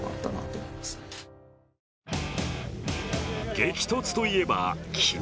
激突といえば、昨日